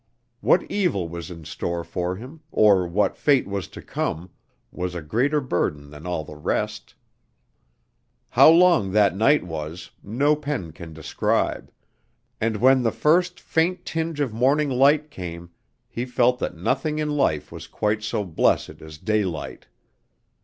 What evil was in store for him, or what fate was to come, was a greater burden than all the rest. How long that night was no pen can describe, and when the first faint tinge of morning light came, he felt that nothing in life was quite so blessed as daylight.